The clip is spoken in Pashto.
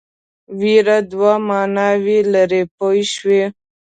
وېره دوه معناوې لري پوه شوې!.